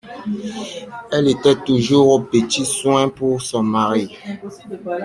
Elle était toujours aux petits soins pour son mari.